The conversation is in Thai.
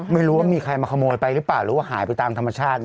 ไม่รู้ว่ามีใครมาขโมยไปหรือเปล่าหรือว่าหายไปตามธรรมชาติ